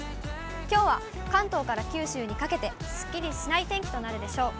きょうは関東から九州にかけてすっきりしない天気となるでしょう。